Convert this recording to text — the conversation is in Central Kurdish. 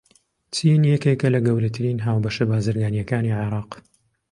چین یەکێکە لە گەورەترین هاوبەشە بازرگانییەکانی عێراق.